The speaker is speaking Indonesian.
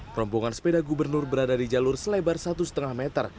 rombongan sepeda gubernur berada di jalur selebar satu lima meter